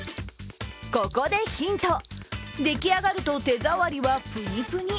ここでヒント、出来上がると手触りは、プニプニ。